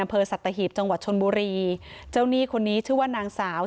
อำเภอสัตหีบจังหวัดชนบุรีเจ้าหนี้คนนี้ชื่อว่านางสาว